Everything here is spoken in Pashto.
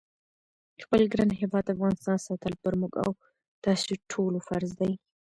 خپل ګران هیواد افغانستان ساتل پر موږ او تاسی ټولوفرض دی